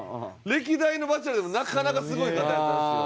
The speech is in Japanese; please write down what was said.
歴代のバチェラーでもなかなかすごい方やったんですよ。